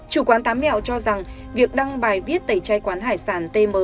chủ quán tám mẹo cho rằng việc đăng bài viết tẩy chay quán hải sản tm